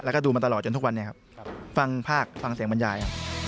แล้วก็ดูมาตลอดจนทุกวันนี้ครับฟังภาคฟังเสียงบรรยาย